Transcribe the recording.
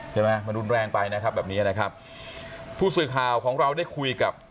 ใช่ไหมมันรุนแรงไปนะครับแบบนี้นะครับผู้สื่อข่าวของเราได้คุยกับ